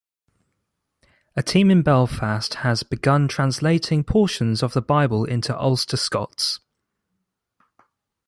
A team in Belfast has begun translating portions of the Bible into Ulster Scots.